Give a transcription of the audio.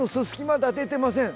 まだ出てません。